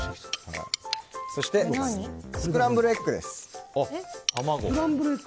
そしてスクランブルエッグです。